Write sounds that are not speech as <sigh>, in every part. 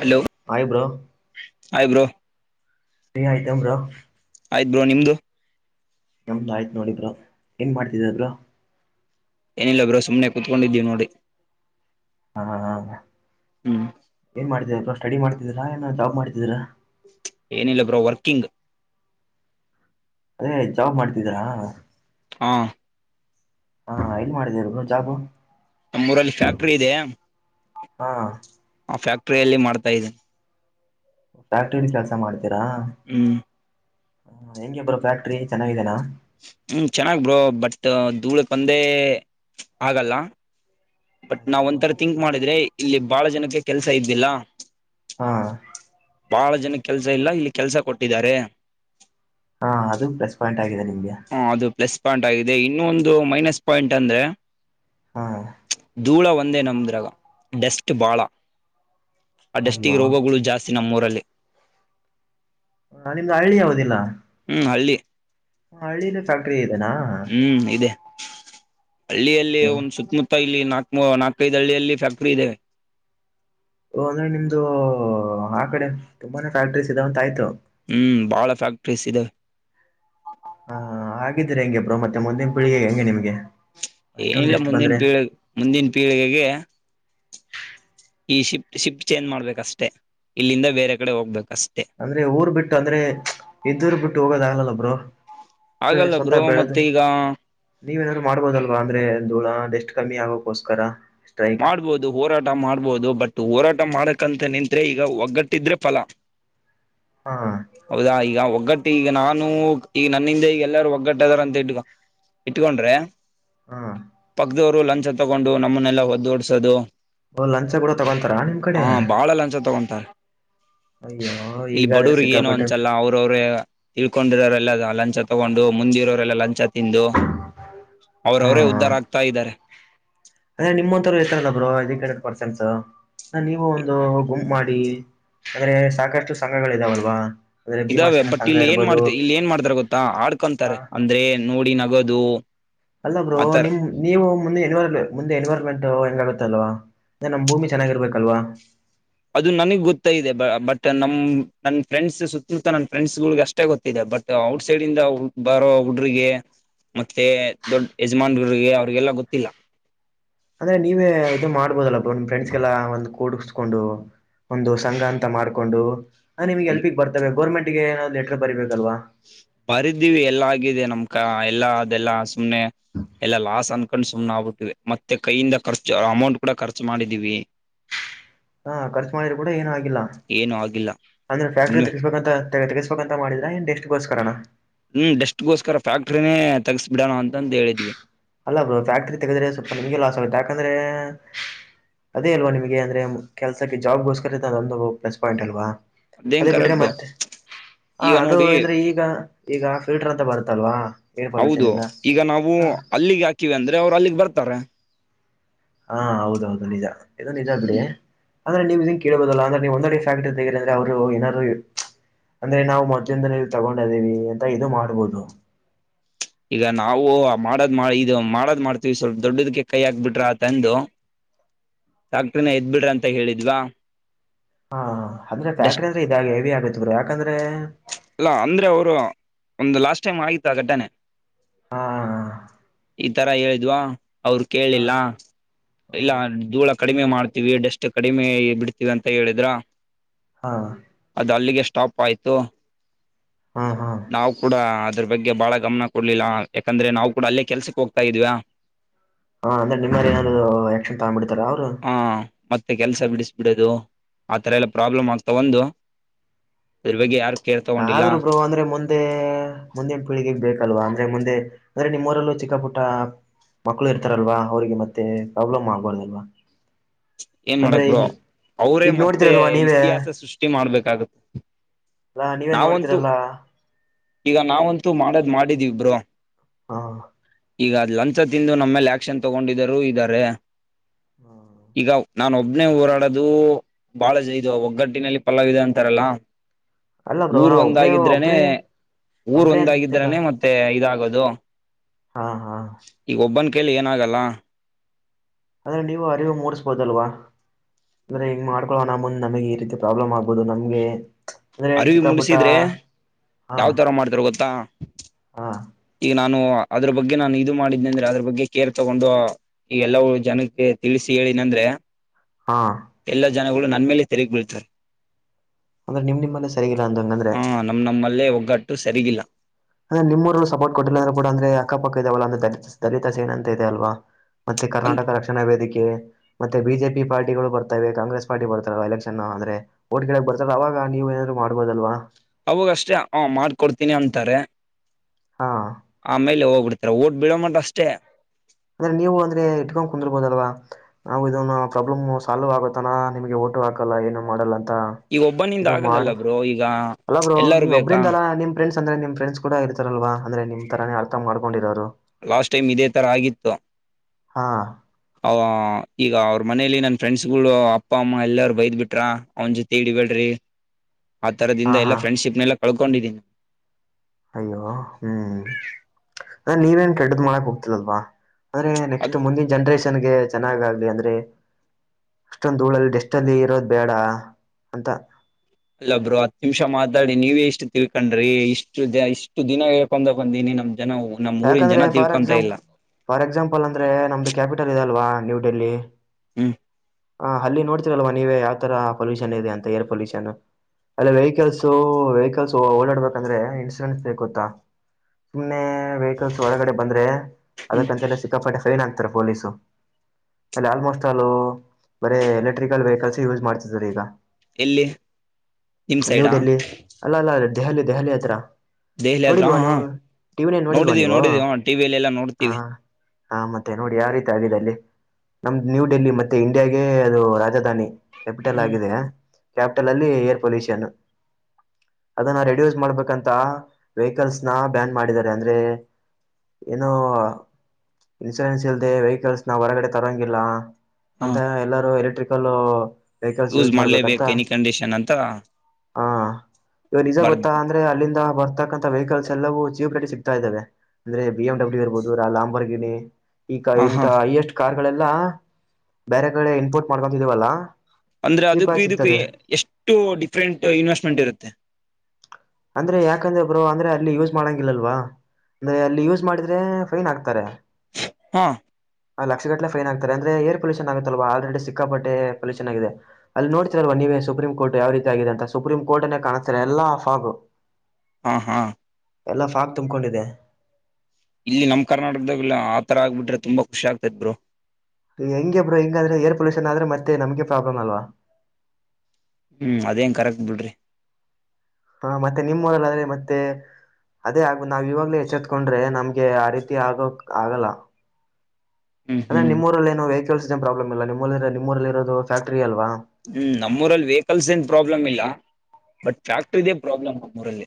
Hello hi bro. Hi bro tea ಆಯ್ತಾ bro? ಆಯ್ತ bro ನಿಮ್ದು? ನಮ್ದ್ ಆಯ್ತ ನೋಡಿ ಬ್ರೋ ಏನ್ ಮಾಡ್ತಾ ಇದೀರಾ ಬ್ರೋ? ಏನಿಲ್ಲ ಬ್ರೋ ಸುಮ್ಮನೆ ಕುತ್ಕೊಂಡಿದ್ದೀವಿ ನೋಡಿ. ಹಾ ಹ ಹಾ ಹ್ಮ್ ಏನ್ ಮಾಡ್ತಿದ ಸ್ಟಡಿ ಮಾಡ್ತಿದೀರಾ ಏನ ಜಾಬ್ ಮಾಡ್ತಿದೀರಾ? ಏನಿಲ್ಲ ಬ್ರೋ ವರ್ಕಿಂಗ್. ಅದೇ ಜಾಬ್ ಮಾಡ್ತಿದೀರಾ? ಹಾ ಹಾ ಎಲ್ಲಿ ಮಾಡ್ತಿರೋದು ಬ್ರೋ ಜಾಬು? ನಮ್ಮ ಊರಲ್ಲಿ ಫ್ಯಾಕ್ಟ್ರಿ ಇದೆ ಹಾ ಆ ಫ್ಯಾಕ್ಟರಿ ಅಲ್ಲಿ ಮಾಡ್ತಾ ಇದ್ದೀನಿ. ಫ್ಯಾಕ್ಟ್ರಿ ಅಲ್ಲಿ ಕೆಲಸ ಮಾಡ್ತೀರಾ ಹ್ಮ್ ಹೆಂಗೆ ಬ್ರೋ ಫ್ಯಾಕ್ಟ್ರಿ ಚೆನ್ನಾಗಿದೇನಾ? ಹು ಚೆನ್ನಾಗ ಬ್ರೋ ಬಟ್ ಧೂಳ ಬಂದೇ ಆಗಲ್ಲ. ಬಟ್ ಅಯ್ಯೋ ನಾವ ಒಂಥರ ಥಿಂಕ್ ಮಾಡಿದ್ರೆ ಇಲ್ಲಿ ಬಾಳ ಜನಕ್ಕೆ ಕೆಲ್ಸ ಇದ್ದಿಲ್ಲ ಹಾ ಬಹಳ ಜನ ಕೆಲ್ಸ ಇಲ್ಲ ಇಲ್ಲಿ ಕೆಲ್ಸ ಕೊಟ್ಟಿದ್ದಾರೆ. ಹಾ ಅದು ಪ್ಲಸ್ ಪಾಯಿಂಟ್ ಆಗಿದೆ ನಿಮ್ಗೆ. ಹ ಅದು ಪ್ಲಸ್ ಪಾಯಿಂಟ್ ಆಗಿದೆ ಇನ್ನ ಒಂದು ಮೈನಸ್ ಪಾಯಿಂಟ್ ಅಂದ್ರೆ ಹಾ ಧೂಳ ಒಂದೇ ನಮ್ದ್ರಾಗ ಡಸ್ಟ್ ಭಾಳ. ಆ ಅಯ್ಯೋ ಡೆಸ್ಟಿಗೆ ರೋಗಗಳು ಜಾಸ್ತಿ ನಮ್ಮ ಊರಲ್ಲಿ. ನಾ ನಿಮ್ದ್ ಹಳ್ಳಿ ಯಾವದಿಲ್ಲ? ಹ್ಮ್ ಹಳ್ಳಿ. ಹ ಹಳ್ಳಿಲೂ ಫ್ಯಾಕ್ಟ್ರಿ ಇದೆನಾ? ಹ್ಮ್ ಇದೆ ಹಳ್ಳಿಯಲ್ಲಿ ಅಯ್ಯೋ ಒಂದು ಸುತ್ತಮುತ್ತ ಇಲ್ಲಿ ನಾಕ ಮೂ ನಾಲ್ಕೈದ ಹಳ್ಳಿಯಲ್ಲಿ ಫ್ಯಾಕ್ಟ್ರಿ ಇದೆ. ಓ ಅಂದ್ರೆ ನಿಮ್ದು ಆ ಕಡೆ ತುಂಬಾನೇ ಫ್ಯಾಕ್ಟ್ರೀಸ್ ಇದಾವಂತ ಆಯ್ತು. ಹ್ಮ್ ಭಾಳ ಫ್ಯಾಕ್ಟ್ರೀಸ್ ಇದೆ. ಹಾ ಹಾಗಿದ್ರೆ ಹೆಂಗೆ ಬ್ರೋ ಮತ್ತೆ ಮುಂದಿನ ಪೀಳಿಗೆಗೆ ಹೆಂಗೆ ನಿಮ್ಗೆ? ಅಷ್ಟೊಂದು ಏನಿಲ್ಲ ಎಷ್ಟು ಮುಂದಿನ ಬಂದ್ರೆ ಪೀಳ ಮುಂದಿನ ಪೀಳಿಗೆಗೆ ಈ ಶಿಫ್ಟ್ ಶಿಫ್ಟ್ ಚೇಂಜ್ ಮಾಡ್ಬೇಕಷ್ಟೇ ಇಲ್ಲಿಂದ ಬೇರೆ ಕಡೆ ಹೋಗ್ಬೇಕ ಅಷ್ಟೇ. ಅಂದ್ರೆ ಊರ್ ಬಿಟ್ಟು ಅಂದ್ರೆ ಇದ್ದೂರು ಬಿಟ್ಟು ಹೋಗೋದ್ ಆಗಲ್ಲಲ್ಲಾ ಬ್ರೋ. ಬೇ ಆಗಲ್ಲ ಸ್ವತ ಬ್ರೋ ಬೆಳೆದ ಮತ್ತೆ ಈಗ ನೀವ್ ಏನಾರು ಮಾಡ್ಬೋದಲ್ವಾ ಅಂದ್ರೆ ಧೂಳಾ ಡಸ್ಟ್ ಕಮ್ಮಿ ಆಗಕ್ಕೋಸ್ಕರ. ಮಾಡ್ಬೋದು ಹೋರಾಟ ಮಾಡ್ಬೋದು ಬಟ್ ಹೋರಾಟ ಮಾಡಕಂತ ನಿಂತ್ರೆ ಈಗ ಒಗ್ಗಟ್ಟಿದ್ರೆ ಫಲ. ಹಾ ಹೌದಾ ಈಗ ಒಗ್ಗಟ್ ಈಗ ನಾನು ಈಗ ನನ್ನಿಂದ ಈಗ ಎಲ್ಲಾರೂ ಒಗ್ಗಟ್ಟದರ ಅಂತ ಇಟ್ಕ ಇಟ್ಕೊಂಡ್ರೆ ಹಾ ಪಕ್ದೋರು ಲಂಚ ತಗೊಂಡು ನಮ್ಮನ್ನೆಲ್ಲ ಒದ್ದ ಓಡ್ಸೋದು ಓ ಲಂಚ ಕೂಡ ತಗೊಂತಾರಾ ನಿಮ್ ಕಡೆ ಹಾ ಭಾಳ ಲಂಚ ತಗೊಂತಾರ್ ಅಯ್ಯೋ ಇಲ್ಲಿ ಈಗಾದ್ರೆ ಬಡುರಿಗ್ ಏನು ಸಿಕ್ಕಾಪಟ್ಟೆ ಅಂಜಲ್ಲಾ ಅವ್ರ್ ಅವ್ರೆ ತಿಳ್ಕೊಂಡಿರೋರೆಲ್ಲ ಲಂಚ ತೊಗೊಂಡು ಮುಂದಿರೋರೆಲ್ಲ ಲಂಚ ತಿಂದು ಅವ್ರ್ ಹಾ ಅವ್ರೆ ಉದ್ದಾರ ಆಗ್ತಾ ಇದಾರೆ. ಅದೇ ನಿಮ್ಮಂಥೋರ ಇರ್ತಾರಲ್ಲ ಬ್ರೋ ಎಜುಕೇಟೆಡ್ ಪರ್ಸನ್ಸು. ಅಲಾ ನೀವು ಒಂದು ಗುಂಪ್ ಮಾಡಿ ಅಂದ್ರೆ ಸಾಕಷ್ಟು ಸಂಘಗಳಿದಾವಲ್ವಾ ಅಂದ್ರೆ ಇದಾವೆ ಭೀಮಾಸೇನ ಬಟ್ ಸಂಘ ಇಲ್ಲಿ ಏನ್ ಇರ್ಬೋದು ಮಾಡ್ತ ಇಲ್ಲಿ ಏನ್ ಮಾಡ್ತರ್ ಗೊತ್ತಾ ಆಡ್ಕೊಂತರೆ ಅಂದ್ರೆ ನೋಡಿ ನಗದು ಅಲ್ಲ ಬ್ರೋ ನಿಮ್ ನೀವು ಮುಂದೆ ಎನ್ವಾ ಮುಂದೆ ಎನ್ವರ್ನ್ಮೆಂಟು ಹೆಂಗಾಗುತ್ತಲ್ವಾ ನಮ್ಮ್ ಭೂಮಿ ಚೆನ್ನಾಗಿರ್ಬೇಕಲ್ವಾ? ಅದು ನನಗ್ ಗೊತ್ತ ಇದೆ ಬಾ ಬಟ್ ನಮ್ ನನ್ ಫ್ರೆಂಡ್ಸ್ ಸುತ್ಮುತ್ತ ನನ್ನ ಫ್ರೆಂಡ್ಸ್ ಗಳ್ಗ ಅಷ್ಟ ಷ್ಟೇ ಗೊತ್ತಿದೆ ಬಟ್ ಔಟ್ ಸೈಡ್ ಇಂದ ಬರೋ ಹುಡ್ರಿಗೆ ಮತ್ತೆ ದೊಡ್ ಯಜಮಾನ್ರಿಗೆ ಅವ್ರಿಗೆಲ್ಲ ಗೊತ್ತಿಲ್ಲ. ಅಂದ್ರೆ ನೀವೇ ಇದು ಮಾಡ್ಬೋದಲ್ಲಪ್ಪ ನಿಮ್ ಫ್ರೆಂಡ್ಸ್ಗೆಲ್ಲಾ ಒಂದು ಕೂಡುಸ್ಕೊಂಡು ಒಂದು ಸಂಘ ಅಂತ ಮಾಡ್ಕೊಂಡು ಆ ನಿಮ್ಗ್ ಈ ಹೆಲ್ಪಿಗ್ ಬರ್ತವೆ ಗೌರ್ಮೆಂಟಿಗೆ ಏನಾದ್ ಲೆಟ್ಟ್ರ ಬರಿಬೇಕಲ್ವಾ? ಬರಿದ್ದೀವಿ ಎಲ್ಲ ಆಗಿದೆ ನಮ್ಕ ಎಲ್ಲಾ ಅದೆಲ್ಲಾ ಸುಮ್ನೆ ಎಲ್ಲಾ ಲಾಸ್ ಅನ್ಕೊಂಡ್ ಸುಮ್ ಆಗ್ಬಿಟ್ವಿ ಮತ್ತೆ ಕೈಯಿಂದ ಖರ್ಚು ಅಮೌಂಟ್ ಕೂಡ ಖರ್ಚು ಮಾಡಿದೀವಿ. ಹಾ ಖರ್ಚು ಮಾಡಿದ್ರು ಕೂಡ ಏನು ಆಗಿಲ್ಲ ಏನು ಆಗಿಲ್ಲ ಅಂದ್ರೆ ಫ್ಯಾಕ್ಟ್ರಿ ಇನ್ನು ತೆಗಿಸ್ಬೇಕಂತ ತೆಗ ತೆಗಿಸ್ಬೇಕಂತ ಮಾಡಿದ್ರ ಏನ್ ಡೆಸ್ಟ್ಗೋಸ್ಕರನಾ? ಹ್ಮ್ ಡೆಸ್ಟ್ಗೋಸ್ಕರ ಫ್ಯಾಕ್ಟ್ರಿನೇ ತೆಗಿಸ್ಬಿಡನಾ ಅಂತ ಅಂದ್ ಹೇಳಿದ್ವಿ. ಅಲ್ಲ ಬ್ರೋ ಫ್ಯಾಕ್ಟ್ರಿ ತೆಗದ್ರೆ ಸ್ವಲ್ಪ ನಿಮ್ಗೆ ಲಾಸ್ ಆಗುತ್ತೆ ಯಾಕಂದ್ರೆ ಅದೇ ಅಲ್ವಾ ನಿಮಗೆ ಅಂದ್ರೆ ಕೆಲ್ಸಕ್ಕೆ ಜಾಬ್ಗೋಸ್ಕರ ತಾವ್ ಅಲ್ದೋರು ಪ್ಲಸ್ ಪಾಯಿಂಟ್ ಅಲ್ವಾ. ಅದೇನ್ ಅದೇ ಬಿಟ್ರೆ ಕರೆಕ್ಟು ಮತ್ತೆ ಹಾ ಈಗ ಅದು ನೋಡಿ ಎಂದ್ರೆ ಈಗ ಈಗ ಫಿಲ್ಟರ್ ಅಂತ ಬರುತ್ತಲ್ವಾ? ಏರ್ ಪೊಲ್ಯೂಷನ್ ಹೌದು ಇಂದ ಈಗ ನಾವು ಹಾ ಅಲ್ಲಿಗೆ ಹಾಕೀವಿ ಅಂದ್ರೆ ಅವ್ರ ಅಲ್ಲಿಗ್ ಬರ್ತಾರೆ. ಹಾ ಹೌದೌದು ನಿಜ ಇದು ನಿಜ ಬಿಡಿ. ಅಂದ್ರೆ ನೀವ್ ಇದನ್ನ ಕೇಳ್ಬೋದಲ್ಲ ಅಂದ್ರೆ ನೀವು ಒಂದಡೆ ಫ್ಯಾಕ್ಟರಿ ತೆಗಿರಿ ಅಂದ್ರೆ ಅವ್ರು ಏನಾದ್ರು ಅಂದ್ರೆ ನಾವ ಮೊದ್ಲಿಂದಾನೇ ಇದ ತೊಗೊಂಡದೇವಿ ಅಂತ ಇದು ಮಾಡ್ಬೋದು. ಈಗ ನಾವು ಮಾಡದ್ ಮಾ ಇದು ಮಾಡೋದ್ ಮಾಡ್ತಿವಿ ಸ್ವಲ್ಪ್ ದೊಡ್ದುದ್ಕೆ ಕೈ ಹಾಕ್ಬಿಟ್ರೆ ಬಿಟ್ರ ಆತ್ ಅಂದು <inaudible> ಫ್ಯಾಕ್ಟರಿನಾ ಎದ್ ಬಿಡ್ರ ಅಂತ ಹೇಳಿದ್ವಾ. ಹಾ ಹಾ ಹಾ ಅಂದ್ರೆ ಡಸ್ಟ್ ಫ್ಯಾಕ್ಟ್ರಿ ಅಂದ್ರೆ ಇದ ಹೆವಿ ಆಗತ್ ಬ್ರೋ ಯಾಕಂದ್ರೆ ಅಲ್ಲಾ ಅಂದ್ರೆ ಅವ್ರು ಒಂದು ಲಾಸ್ಟ್ ಟೈಮ್ ಆಗಿತ್ತು ಆ ಘಟನೆ. ಹಾ ಹಾ ಹಾ ಈತರ ಹೇಳಿದ್ವಾ ಅವ್ರು ಹಾ ಕೇಳಲಿಲ್ಲ ಹಾ ಇಲ್ಲ ಧೂಳ ಕಡಿಮೆ ಮಾಡ್ತೀವಿ ಡಸ್ಟ್ ಕಡಿಮೆ ಬಿಡ್ತೀವಿ ಅಂತ ಹೇಳಿದ್ರ. ಹಾ ಅದ ಅಲ್ಲಿಗೆ ಸ್ಟಾಪ್ ಆಯ್ತು. ಹಾ ಹಾ ನಾವು ಕೂಡ ಅದ್ರ ಬಗ್ಗೆ ಬಾಳ ಗಮನ ಕೊಡ್ಲಿಲ್ಲ ಯಾಕಂದ್ರೆ ನಾವು ಕೂಡ ಅಲ್ಲೇ ಕೆಲ್ಸಕ್ಕ ಹೋಗ್ತಾ ಇದಿವಾ. ಹಾ ಅಂದ್ರೆ ನಿಮ್ಮೇಲ್ ಏನಾದ್ರೂ ಆಕ್ಷನ್ ಟೋನ್ಬಿಡ್ತರಾ ಅವ್ರು? ಹಾ ಮತ್ತೆ ಕೆಲ್ಸ ಬಿಡುಸ್ಬಿಡದು ಆತರ ಎಲ್ಲ ಪ್ರಾಬ್ಲಮ್ ಆಗ್ತಾವ ಒಂದು ಇದ್ರ ಬಗ್ಗೆ ಯಾರು ಕೇರ್ ತಗೊಂಡಿಲ್ಲ ಆದ್ರೂ ಬ್ರೋ ಅಂದ್ರೆ ಮೊನ್ ದೇ ಮುಂದಿನ ಪೀಳಿಗೆಗ್ ಬೇಕಲ್ವಾ ಅಂದ್ರೆ ಮುಂದೆ ಅಂದ್ರೆ ನಿಮ್ಮೂರಲ್ಲೂ ಚಿಕ್ಕ ಪುಟ್ಟ ಮಕ್ಳು ಇರ್ತಾರಲ್ವಾ ಅವ್ರಿಗೆ ಮತ್ತೆ ಪ್ರಾಬ್ಲಮ್ ಆಗ್ಬಾರ್ದಲ್ವಾ. ಏನ್ ಅಂದ್ರೆ ಮಾಡಕ್ ಬ್ರೋ ಈಗ ಅವ್ರೇ ಈಗ ಮತ್ತೆ ನೋಡ್ತಿರಲ್ವಾ ನೀವೇ ಇತಿಹಾಸ ಸೃಷ್ಟಿ ಮಾಡ್ಬೇಕಾಗತ್ತೆ. ಅಲ್ಲಾ ನೀವೇನ್ ನೋಡ್ತೀರಲ್ಲಾ? ಈಗ ನಾವಂತೂ ಮಾಡದ್ ಮಾಡಿದೀವಿ ಬ್ರೋ. ಹಾ ಈಗ ಅದ ಲಂಚ ತಿಂದು ನಮ್ಮೇಲ ಆಕ್ಷನ್ ತಗೊಂಡಿದ್ದರು ಇದಾರೆ. ಹಾ ಈಗ ನಾನು ಒಬ್ನೇ ಹೋರಾಡೋದು ಬಾಳ ಜ ಇದು ಒಗ್ಗಟ್ಟಿನಲ್ಲಿ ಫಲವಿದೆ ಅಂತಾರಲ್ಲಾ ಅಲ್ಲ ಬ್ರೋ ಊರ್ ನಾವ್ ಒಬ್ರೇ ಒಂದಾಗಿದ್ರನೆ ಒಬ್ರೇ ಊರ್ ಒಬ್ರೇ ಅಂತಂತಿಲ್ಲ ಒಂದಾಗಿದ್ರನೆ ಮ ಮತ್ತೆ ಇದಾಗೋದು ಹಾ ಹಾ ಈಗ ಒಬ್ಬನ ಕೈಲಿ ಏನೂ ಆಗಲ್ಲಾ. ಆದ್ರೆ ನೀವು ಅರಿವು ಮೂಡ್ಸ್ಬೋದಲ್ವ? ಅಂದ್ರೆ ಹಿಂಗ ಮಾಡ್ಕೊಳಣ ಮುಂದ ನಮಗ ಈ ರೀತಿ ಪ್ರಾಬ್ಲಮ್ ಆಗ್ಬೋದು ನಮ್ಗೆ. ಅಂದ್ರೆ ಅರಿವು ಚಿಕ್ಕಪುಟ ಮೂಡಿಸಿದ್ರೆ ಹಾ ಯಾವ್ ತರ ಮಾಡ್ತಾರ ಗೊತ್ತಾ ಹಾ ಈಗ ನಾನು ಅದ್ರ ಬಗ್ಗೆ ನಾನು ಇದು ಮಾಡಿದ್ನಿ ಅಂದ್ರೆ ಅದ್ರ ಬಗ್ಗೆ ಕೇರ್ ತಗೊಂಡೂ ಈಗೆಲ್ಲವೂ ಜನಕ್ಕೆ ತಿಳಿಸಿ ಹೇಳಿನಂದ್ರೆ ಹಾ ಎಲ್ಲಾ ಜನಗಳು ನನ್ ಮೇಲೆ ತಿರಗಿ ಬೀಳ್ತಾರೆ. ಅಂದ್ರೆ ನಿಮ್ಮ ನಿಮ್ಮೇ ಸರಿ ಇಲ್ಲ ಅಂದಂಗಂದ್ರೆ? ನಮ್ಮ ನಮ್ಮಲ್ಲೇ ಒಗ್ಗಟ್ಟು ಸರಿಗಿಲ್ಲ. ಅಂದ್ರ ನಿಮ್ಮ ಊರಲ್ಲೂ ಸಪೋರ್ಟ್ ಕೊಟ್ಟಿಲ್ ಅಂದ್ರ ಕೂಡಂದ್ರೆ ಅಕ್ಕ ಪಕ್ಕ ಇದಾವಲ್ಲ ಅ್ರ ದಲಿತ ದಲಿತಾ ಸೇನಾ ಅಂತ್ ಇದೆ ಅಲ್ವಾ? ಮತ್ತೆ ಅಂತ ಕರ್ನಾಟಕ ರಕ್ಷಣಾ ವೇದಿಕೆ ಮತ್ತೆ ಬಿಜೆಪಿ ಪಾರ್ಟಿಗಳು ಬರ್ತವೆ ಕಾಂಗ್ರೆಸ್ ಪಾರ್ಟಿ ಬರ್ತಾವೆ ಎಲೆಕ್ಷನ್ ಅಂದ್ರೆ ವೋಟ್ ಕೆಳಕ್ ಬರ್ತಾರ ಅಲಾ ಅವಾಗ ನೀವ ಏನಾದ್ರು ಮಾಡ್ಬೋದಲ್ವಾ? ಅವಾಗಷ್ಟೇ ಹಾ ಮಾಡ್ಕೊಡ್ತೀನಿ ಅಂತಾರೆ. ಹಾ ಆಮೇಲೆ ಹೋಗ್ಬಿಡ್ತಾರ ವೋಟ್ ಬಿಳೋಮಟಷ್ಟೇ ಅಂದ್ರೆ ನೀವು ಅಂದ್ರೆ ಇಟ್ಕೊಂಡ್ ಕುಂದರ್ಬೋದಲ್ವಾ? ನಾವು ಇದನ್ ಪ್ರಾಬ್ಲಮ್ ಸಾಲ್ವ್ ಆಗೋತ್ತನಾ ನಿಮ್ಗೆ ವೋಟು ಹಾಕಲ್ಲ ಏನು ಮಾಡಲ್ಲ ಅಂತ ಈಗ ಒಬ್ಬನಿಂದ ಇದು ಮಾಡ ಆಗಲ್ಲಲ್ಲ ಬ್ರೋ ಈಗ ಅಲ್ಲ ಬ್ರೋ ಎಲ್ಲಾರು ನೀವ ಬೇಕಾ ಒಬ್ರಿಂದಲ್ಲ ನಿಮ ಫ್ರೇಂಡ್ಸ್ ಅಂದ್ರೆ ನಿಮ ಫ್ರೆಂಡ್ಸ ಕೂಡ ಇರ್ತಾರಲ್ವಾ ಅಂದ್ರೆ ನಿಮ್ಮ ತರಾನೇ ಅರ್ಥ ಮಾಡ್ಕೊಂಡಿರೋರು. ಲಾಸ್ಟ್ ಟೈಮ್ ಇದೇ ತರ ಆಗಿತ್ತು. ಹಾ ಅವ ಈಗ ಅವ್ರ ಮನೇಲಿ ನನ್ ಫ್ರೆಂಡ್ಸ್ ಗಳು ಅಪ್ಪ ಅಮ್ಮ ಎಲ್ಲಾರ ಬೈದ್ ಬಿಟ್ರಾ. ಅವ್ನ ಜೊತೆ ಇಡಿಬ್ಯಾಡ್ರಿ ಆ ಹಾ ತರದಿಂದ ಎಲ್ಲಾ ಹಾ ಫ್ರೆಂಡ್ಶಿಪ್ನಲ್ಲ ಕಳ್ಕೊಂಡಿದೀನಿ. ಅಯ್ಯೋ ಹ್ಮ್ ಅದ ನೀವೇನ್ ಕೆಟ್ಟ್ದ್ ಮಾಡಕ್ ಹೋಗ್ತಿಲ್ಲವಲ್ವಾ. ಅಂದ್ರೆ ಅದ್ ನೆಕ್ಸ್ಟ್ ಮುಂದಿನ ಜನ್ರೇಷನ್ಗೆ ಚೆನ್ನಾಗ್ ಆಗ್ಲಿ ಅಂದ್ರೆ ಅಷ್ಟೊಂದು ಧೂಳಲ್ಲಿ ಡೇಷ್ಟಲ್ಲಿ ಇರೋದ ಬೇಡ ಅಂತಾ ಇಲ್ಲಾ ಬ್ರೋ ಹತ್ ನಿಮ್ಶಾ ಮಾತಾಡಿ ನೀವೇ ಇಷ್ಟು ತಿಳ್ಕೊಂಡ್ರಿ ಇಷ್ಟು ದ ಇಷ್ಟು ದಿನ ಹೇಳ್ಕೊಂಡ ಬಂದಿನಿ ನಮ್ ಜನ ಹ ನಮ್ಮ್ ಊರಿನ್ ಯಾಕಂದ್ರೆ ಜನ ಫಾರ್ ತಿಳ್ಕೊಂತಾ ಇಲ್ಲ. ಎಕ್ಸಾಂಪಲ್ ಫಾರ್ ಎಕ್ಸಾಂಪಲ್ ಅಂದ್ರೆ ನಮ್ದು ಕ್ಯಾಪಿಟಲ್ ಇದೆ ಅಲ್ವಾ ನ್ಯೂ ಡೆಲ್ಲಿ ಹ್ಮ ಹ ಅಲ್ಲಿ ನೋಡ್ತೀರಲ್ವ ನೀವೇ ಯಾವ ತರ ಪೊಲ್ಯೂಷನ್ ಇದೆ ಅಂತ ಏರ್ ಪೊಲ್ಯೂಷನ್. ಅಲ್ಲ ವೆಹಿಕಲ್ಸ್ ವೆಹಿಕಲ್ಸ್ ಓಡಾಡ್ಬೇಕಂದ್ರೆ ಇನ್ಸೂರೆನ್ಸ್ ಬೇಕ ಗೊತ್ತಾ? ಸುಮ್ನೆ ವೆಹಿಕಲ್ಸ್ ಹೋರಗಡೆ ಬಂದ್ರೆ ಹ್ಮ್ ಅದಕ್ಕಂತಲೆ ಸಿಕ್ಕಾಪಟ್ಟೆ ಫೈನ್ ಹಾಕ್ತಾರೆ ಪೊಲೀಸು. ಅಲ್ಲಿ ಆಲ್ಮೋಸ್ಟ್ ಆಲೂ ಬರೇ ಎಲೆಕ್ಟ್ರಿಕಲ್ ವೆಹಿಕಲ್ಸ್ ಯೂಸ್ ಮಾಡ್ತಿದಾರ ಈಗ. ಎಲ್ಲಿ ನಿಮ್ ನ್ಯೂ ಸೈಡಾ ಡೆಲ್ಲಿ ಅಲ್ಲ ಅಲ್ಲ ಅ ದೆಹಲಿ ದೆಹಲಿ ಹತ್ರ ದೆಹಲಿ ಹತ್ರ ನೋಡಿಲ್ವಾ ಹ ಹಾ ನೀವು ಟಿವಿ ನೈನ್ ನೋಡಿಲ್ವಾ ನೋಡಿದೀವಿ ನೀವು ನೋಡಿದೀವಿ ಹ ಟಿವಿಯಲ್ಲಿ ಎಲ್ಲಾ ಹ ನೋಡ್ತೀವಿ ಹಾ ಮತ್ತೆ ನೋಡಿ ಯಾರೀತಿ ಆಗಿದೆ ಅಲ್ಲಿ. ನಮ್ದ್ ನ್ಯೂ ಡೆಲ್ಲಿ ಮತ್ತೆ ಇಂಡಿಯಾಗೆ ಅದು ರಾಜಧಾನಿ ಕ್ಯಾಪಿಟಲ್ ಹ್ಮ್ ಆಗಿದೆ. ಕ್ಯಾಪಿಟಲ್ ಅಲ್ಲಿ ಏರ್ ಪೊಲ್ಯೂಷನ್. ಅದನ್ನ ರೆಡ್ಯೂಸ್ ಮಾಡ್ಬೇಕಂತ ವೆಹಿಕಲ್ಸ್ ನ ಬ್ಯಾನ್ ಮಾಡಿದ್ದಾರೆ ಅಂದ್ರೆ ಅಂದ್ರೆ ಏನೋ ಇನ್ಸೂರೆನ್ಸ್ ಇಲ್ದೆ ವೆಹಿಕಲ್ಸ್ನ ಹೊರಗಡೆ ತರೋಂಗಿಲ್ಲ ಹ ಅಂತ ಎಲ್ಲರೂ ಎಲೆಕ್ಟ್ರಿಕಲ್ಲೂ ಯೂಸ್ ಮಾಡ್ಲೇಬೇಕು ಎನಿ ಕಂಡೀಷನ್ ಅಂತ ಹ ಇವ ನಿಜ ಬರ್ದ್ ಗೊತ್ತಾ ಅಂದ್ರೆ ಅಲ್ಲಿಂದ ಬರ್ತಕ್ಕಂತಥ ವೆಹಿಕಲ್ಸ್ ಎಲ್ಲವೂ ಜಿಯೋಟಸಿ ವೆ ಅಂದ್ರೆ ಬಿ ಎಮ್ ಡೆಬ್ಲ್ಯೂ ಇರಬಹುದು ಲಾಂಬರ್ ಗಿಣಿ ಈಗ ಹ ಹಾ ಇಂತಾ ಹೈಯೆಸ್ಟ್ ಕಾರ್ ಗಳೆಲ್ಲ ಬೇರೆ ಕಡೆ ಇಂಪೋರ್ಟ್ ಮಾಡ್ಕೊಂತಿದೀವಲ್ಲ ಅಂದ್ರೆ ಅದಕ್ಕ ಇದಕ್ಕ ಎಷ್ಟು ಡಿಫ್ರೆಂಟ್ ಇನ್ವೆಸ್ಟ್ಮೆಂಟ್ ಇರುತ್ತೆ. ಅಂದ್ರೆ ಯಾಕಂದ್ರೆ ಬ್ರೋ ಅಂದ್ರೆ ಅಲ್ಲಿ ಯೂಸ್ ಮಾಡಂಗಿಲ್ಲಲ್ವಾ. ಅಂದ್ರೆ ಅಲ್ಲಿ ಯೂಸ್ ಮಾಡಿದ್ರೆ ಫೈನ್ ಆಗ್ತಾರೆ. ಹಾ ಆ ಲಕ್ಷಗಟ್ಟ ಫೈನ್ ಹಾಕ್ತರೆ ಅಂದ್ರೆ ಎರ್ ಪೊಲ್ಯೂಷನ್ ಆಗುತ್ತಲ್ವಾ ಆಲ್ರೆಡಿ ಸಿಕ್ಕಾಪಟ್ಟೆ ಪೊಲ್ಯೂಷನ್ ಆಗಿದೆ. ಅಲ್ಲಿ ನೋಡ್ತಿರಲ್ವ ನೀವ ಸಪ್ರೀಂ ಕೋರ್ಟ್ ಯಾವ ರೀತಿ ಆಗಿದೆಂತ ಸುಪ್ರೀಂ ಕೋರ್ಟ್ನ ಕಾಣಸ್ತಿಲ್ಲ ಎಲ್ಲಾಫಾಗು. <inaudible> ಹಾ ಹಾ. ಎಲ್ಲಾ ಫಾಗ್ ತುಂಬಕೊಂಡಿದೆೆ. ಇಲ್ಲಿ ನಮ್ಮ ಕರ್ನಾಟಕದಾಗ ಆತರ ಆಗ್ಬ ಬಿಟ್ರೆ ತಂಬಾಖುಷಿ ಆಗ್ತಿತ್ ಬ್ರೋ. ಹಂಗೆ ಬ್ರೋ ಹಿಂಗಾದ್ರೆ ಏರ್ ಪೊಲ್ಯೂಷನ್ ಆದ್ರೆ ಮತ್ತೆ ನಮಗೆ ಪ್ರಾಬ್ಲಮ ಅಲ್ವಾ. ಹ್ಮ್ ಅದೇನ್ ಕರಕ್ ಬಿಡ್ರಿ. ಹ ಮತ್ತೆ ನಿಮ್ಮ ಮೊದಲ ಆದ್ರೆ ಮತ್ತೆ. ಅದೇ ಆಗ್ಬುದು ನಾವ ಇವಾಗ್ಲೇ ಎಚ್ಚೆತ್ಕೊಂಡ್ರೆ ನಮ್ಗೆ ಆ ರೀತಿ ಆಗೋಕ್ ಆಗಲ್ಲ. ಹ್ಮ್ ಅಂದೇ ಹ್ಮ್ ನಿಮ್ಮೂಊರಲ್ಲಿ ಏನು ವೆಹಿಕಲ್ಸ್ ಏನ್ ಪ್ರಾಬ್ಲಮ್ ಇಲ್ಲ ನಿಮ್ಮಲ್ಲಿ ಇರ ನಿಮ್ಮೂರಲ್ಲಿರೋದು ಫ್ಯಾಕ್ಟರಿ ಅಲ್ವಾ. ಹ್ಮ್ ನಮ್ಮೂರಲ್ಲಿ ವೆಹಿಕಲ್ಸ್ ಏನ್ ಪ್ರಾಬ್ಲಮ್ ಇಲ್ಲ ಬಟ್ ಫ್ಯಾಕ್ಟ್ರಿದೆ ಪ್ರಾಬ್ಲಮ್ ನಮ್ಮೂರಲ್ಲಿ.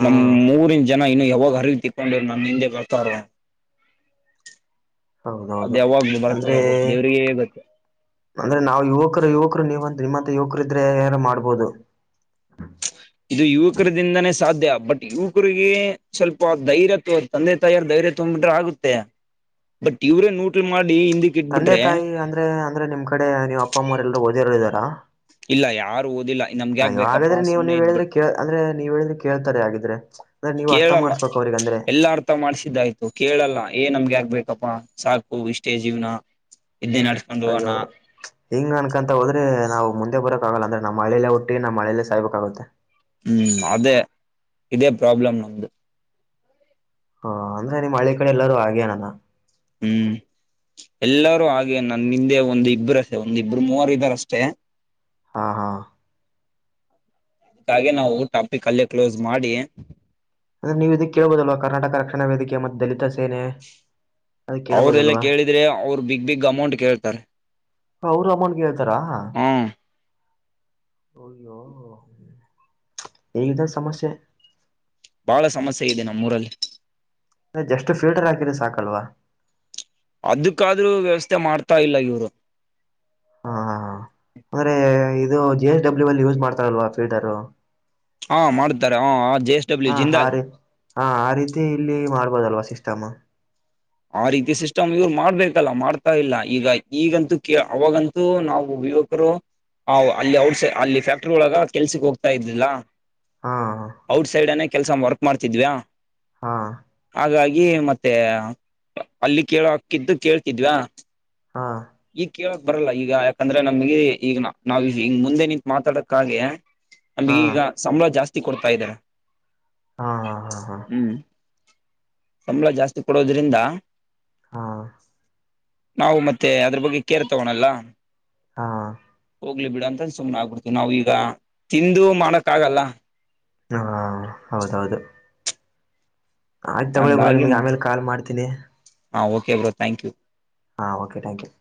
ಹಾ ನಮ್ ಮೂರಿನ್ ಜನ ಇನ್ನು ಯಾವಾಗ ಹರಿಗೆ ತಿಕ್ಕೊಂಡಿರು ನಮ್ ಹಿಂದೆ ಬರ್ತಾರೊ. ಅದ್ ಹೌದೌದು ಯಾವಾಗ ಅಂದ್ರೆ ಬರ್ತಾರೋ ಗೊತ್ತ ದೇವ್ರಿಗೆ ಗೊತ್ತು ಅಂದ್ರೆ ನಾವು ಯುವಕರು ಯುವಕರು ನೀವಂತ ನಿಮ್ಮಂತ ಯುವಕರ ಇದ್ರೆ ಏನೋ ಮಾಡ್ಬೋದು. ಇದು ಯುವಕರ ದಿಂದಾನೇ ಸಾಧ್ಯ ಬಟ್ ಯುವಕರಿಗೆ ಸ್ವಲ್ಪ ಧೈರ್ಯ ತೋರ್ ತಂದೆ ತಾಯಾರ ಧೈರ್ಯ ತೊಂಬ್ಬಿಟ್ರೆ ಆಗುತ್ತೆ ಬಟ್ ಇವ್ರೇ ನೂಟ್ಲ್ ಮಾಡಿ ಹಿಂದಿಕ್ ತಂದೆ ಇಟ್ಬಿಟ್ರೆ. ತಾಯಿ ಅಂದ್ರೆ ಅಂದ್ರೆ ನಿಮ್ ಕಡೆ ನೀವು ಅಪ್ಪ ಅಮ್ಮರೆಲ್ಲರು ಓದಿರೊರ್ ಇದಾರಾ. ಇಲ್ಲ ಯಾರು ಓದಿಲ್ಲ ನಮ್ಗೆ ಯಾಕ್ ಅಯ್ಯ ಬೇಕಪ್ಪಾ ಹಾಗಾದ್ರೆ ನೀವು ಸುಮ್ನೆ ನೀವ್ ಹೇಳಿದ್ರೆ ಇದ್ಬಿಡ್ ಕೆ ಅಂದ್ರೆ ನೀವ್ ಹೇಳಿದ್ರೆ ಕೇಳ್ತಾರೆ ಹಾಗಿದ್ರೆ. ಅಂದ್ರೆ ನೀವು ಅರ್ಥ ಮಾಡ್ಬೇಕು ಅವ್ರಗ ಅಂದ್ರೆ. ತ ಮಾಡ್ಸಿದ್ದಯ್ತು ಕೇಳಲ್ಲ ಏನ್ ನಮ್ಗೆ ಯಾಗ್ಬೇಕಪ್ಪಾ ಸಾಕು ಇಷ್ಟೇ ಜೀವನ ಇದ್ದೆ ನಡ್ಸ್ ಅಯ್ಯೋ ಹಿಂಗ ಅನ್ಕಂತ ಹೋದ್ರೆ ನಾವು ಮುಂದೆ ಬರೋಕಾಗಲ್ಲ ಅಂದ್ರೆ ನಮ್ಮ್ಳೆಯಲ್ಲೇ ಹುಟ್ಟಿ ನಮ್ಮ ಹಳೇಲ್ಲೇ ಸಾಯ್ಬೇಕಾಗುತ್ತೆ. ಹ್ಮ್ ಅದೇ ಇದೇ ಪ್ರಾಬ್ಲಮ್ ನಮ್ದು. ಹ ಅಂದ್ರೆ ನಿಮ್ ಹಳ್ಳಿ ಕಡೆ ಎಲ್ಲಾರೂ ಆಗ್ಯನಾನ. ಹ್ಮ್ ಎಲ್ಲರೂ ಹಾಗೆ ನನ್ನಿಂದೆ ಒಂದ್ ಒಂದ್ ಇಬ್ರು ಮೂವರ್ ಇದಾರ್ ಅಷ್ಟೇ. ಹಾ ಹಾ. ಕಾಗೆ ನಾವು ಟಾಪಿಕ್ ಅಲ್ಲೇ ಕ್ಲೋಸ್ ಮಾಡಿ ಅಂದ್ರೆ ನೀವು ಇದಕ್ಕೆ ಕೇಳ್ಬೋದಲ್ವಾ ಕರ್ನಾಟಕ ರಕ್ಷಾಣ ವೇದಿಕೆ ಮತ್ ದಲಿತ ಸೇನೆ ಅದ ಅವ್ರಲ್ಲ ಕೇಳ್ಬೋದಲ್ವಾ ಕೇಳಿದ್ರೆ ಅವರು ಬಿಗ್ ಬಿಗ್ ಅಮೌಂಟ್ ಕೇಳ್ತಾರೆ. ಅವ್ರು ಅಮೌಂಟ್ಗೆ ಹೇಳ್ತಾರಾ. ಹಾ ಅಯ್ಯೋ ಎ ಇದ ಸಮಸ್ಯೆ. ಬಾಳ ಸಮಸ್ಯೆ ಇದೆ ನಮ್ಮೂರಲ್ಲಿ. ಅದೆ ಜಸ್ಟ್ ಫಿಲ್ಟರ್ ಹಾಕಿದ್ರೆ ಸಾಕಲ್ವಾ. ಅದಕ್ಕಾದ್ರೂ ವ್ಯವಸ್ಥೆ ಮಾಡ್ತಾ ಇಲ್ಲ ಇವ್ರು. ಹಾ ಹಾ ಹ ಅಂದ್ರೆ ಇದು ಜಿ ಎಸ್ ಡಬ್ಲ್ಯೂ ಅಲ್ಲಿ ಯೂಸ್ ಮಾಡ್ತಾರಲ್ವಾ ಫಿಲ್ಟರು. ಹಾ ಮಾಡ್ತಾರೆ ಹ ಹ ಜಷ್ ಹಾ ಆ ರೀ ಹ್ಮ ಆ ರೀತಿ ಇಲ್ಲಿ ಮಾಡ್ಬೋದಲ್ವಾ ಸಿಸ್ಟಮ. ಆ ರೀತಿ ಸಿಸ್ಟಮ್ ಇವ್ರು ಮಾಡ್ಬೇಕಲ್ಲ ಮಾಡ್ತಾ ಇಲ್ಲ ಈಗ ಈಗಂತೂ ಕ ಅವಾಗಂತೂ ನಾವು ಅಲ್ಲಿ ಔಟ್ ಸೈಡ್ ಅಲ್ಲಿ ಫ್ಯಾಕ್ಟ್ರಿ ಒಳಗ ಕೆಲ್ಸಕ್ ಹೋಗ್ತಾ ಇದ್ದಿಲ್ಲಾ ಹಾ ಔಟ್ಸೈಡನೇ ಕೆಲಸ ವರ್ಕ್ ಮಾಡ್ತಿದ್ವ್ಯಾ. ಹಾ ಹಾಗಾಗಿ ಮತ್ತೆ ಅಲ್ಲಿ ಕೇಳ ಹಕಿದ್ದು ಕೇಳ್ತಿದ್ವಾ. ಹಾ ಈಗ ಕೇಳಕ್ ಬರಲ್ಲ ಈಗ ಯಾಕಂದ್ರೆ ನಮ್ಗೆ ಈಗ್ ನಾವ್ ಹಿಂಗ್ ಮುಂದೆ ನಿಂತ ಮಾತಾಡಕ್ಕಾಗಿ ಅಲ್ಲಿ ಹಾ ಈಗ ಸಂಬಳ ಜಾಸ್ತಿ ಕೊಡ್ತಾ ಇದ್ದಾರೆ ಹಾ ಹಾ ಹಾ ಹಾ ಹ್ಮ್. ಸಂಬಳ ಜಾಸ್ತಿ ಕೊಡೋದ್ರಿಂದ ಹಾ ನಾವು ಮತ್ತೆ ಅದ್ರ ಬಗ್ಗೆ ಕೇರ್ ತೋಗೋಣಲ್ಲ. ಹಾ ಹೋಗ್ಲಿ ಬಿಡ್ ಅಂತ್ ಸುಮ್ನ ಆಗಿ ಬಿಡ್ತೇವ ನಾವೂ ಈಗ್ ತಿಂದು ಮಾಡಕ್ಕ ಆಗಲ್ಲಾ. ಹಾ ಹೌದೌದು. ಆಯ್ತು ತಗೊ ಬ್ರೋ ಹಂಗಾಗಿ ನಿಮ್ಗೆ ಮತ್ ಆಮೇಲೆ ಕಾಲ್ ಮಾಡ್ತೀನಿ. ಹಾ ಓಕೆ ಬ್ರೋ ಥ್ಯಾಂಕ್ ಯು. ಹಾ, ಓಕೆ ಥಾಂಕ್ ಯು